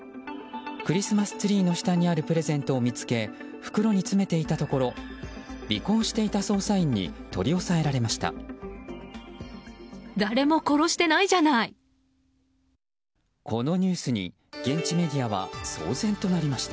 クリスマスツリーの下にあるプレゼントを見つけ袋に詰めていたところ尾行していた捜査員に取り押さえられました。